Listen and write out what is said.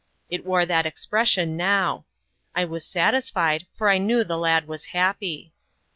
It wore that expression now. I was satisfied, for I knew the lad was happy.